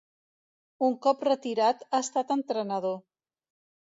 Un cop retirat ha estat entrenador.